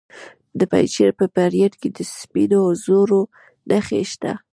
د پنجشیر په پریان کې د سپینو زرو نښې شته.